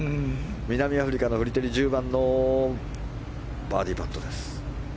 南アフリカのフリテリ１０番のバーディーパット。